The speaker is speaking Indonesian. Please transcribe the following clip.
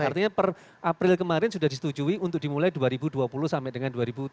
artinya per april kemarin sudah disetujui untuk dimulai dua ribu dua puluh sampai dengan dua ribu dua puluh